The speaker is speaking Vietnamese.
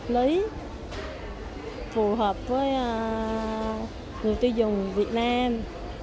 phù hợp với người tiêu dùng việt nam